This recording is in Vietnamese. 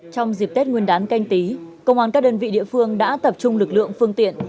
trong dịp tết nguyên đán canh tí công an các đơn vị địa phương đã tập trung lực lượng phương tiện